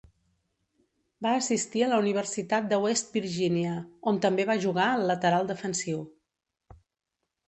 Va assistir a la Universitat de West Virginia, on també va jugar al lateral defensiu.